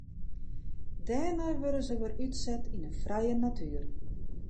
Dêrnei wurde se wer útset yn de frije natuer.